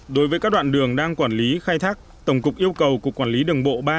đối với các đoạn đường đang quản lý khai thác tổng cục yêu cầu cục quản lý đường bộ ba